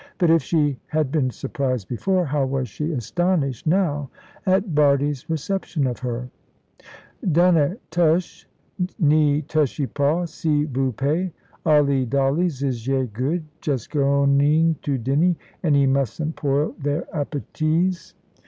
But if she had been surprised before, how was she astonished now at Bardie's reception of her? "Don'e tush. Knee tushy paw, see voo pay. All 'e dollies is yae good; just going to dinny, and 'e mustn't 'poil their appeties."